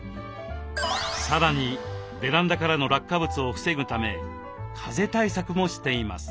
さらにベランダからの落下物を防ぐため風対策もしています。